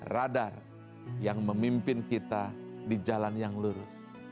radar yang memimpin kita di jalan yang lurus